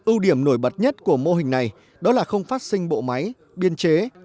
ưu điểm nổi bật nhất của mô hình này đó là không phát sinh bộ máy biên chế